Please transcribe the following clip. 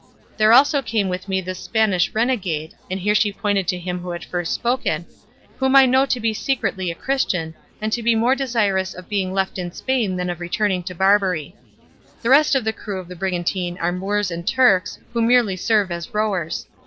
There also came with me this Spanish renegade" and here she pointed to him who had first spoken "whom I know to be secretly a Christian, and to be more desirous of being left in Spain than of returning to Barbary. The rest of the crew of the brigantine are Moors and Turks, who merely serve as rowers.